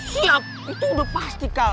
siap itu udah pasti kak